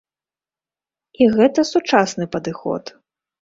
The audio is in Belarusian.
І гэта сучасны падыход.